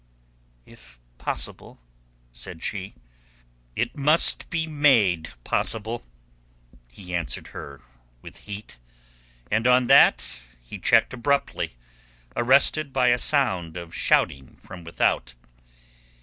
"If possible," said she. "It must be made possible," he answered her with heat, and on that he checked abruptly, arrested by a sound of shouting from without.